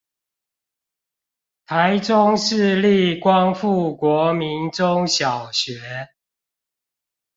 臺中市立光復國民中小學